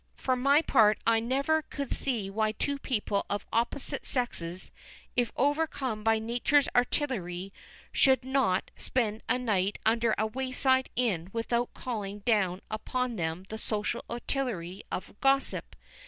For my part I never could see why two people of opposite sexes, if overcome by nature's artillery, should not spend a night under a wayside inn without calling down upon them the social artillery of gossip.